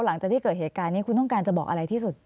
หลังจากที่เกิดเหตุการณ์นี้คุณต้องการจะบอกอะไรที่สุด